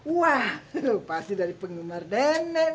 wah pasti dari penggemar nenek nih